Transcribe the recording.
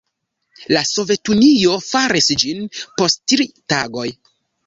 La Sovetunio faris ĝin post tri tagoj.